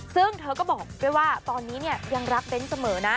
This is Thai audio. ซึ่งเธอก็บอกด้วยว่าตอนนี้เนี่ยยังรักเน้นเสมอนะ